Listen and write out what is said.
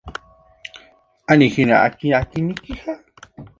El ultraje internacional llevó a Ibrahim Pasha en Egipto pidiendo una investigación.